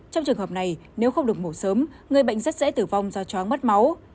trong trường hợp này nếu không được mổ sớm người bệnh rất dễ tử vong do chóng mất máu